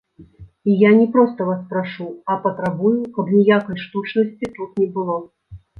І я не проста вас прашу, а патрабую, каб ніякай штучнасці тут не было.